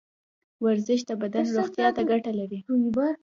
ورزش د بدن روغتیا ته ګټه لري.